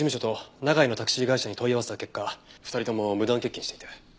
永井のタクシー会社に問い合わせた結果２人とも無断欠勤していて。